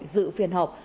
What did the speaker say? dự phiên họp